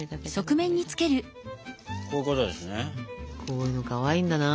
こういうのかわいいんだな。